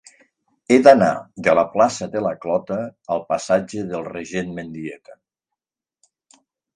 He d'anar de la plaça de la Clota al passatge del Regent Mendieta.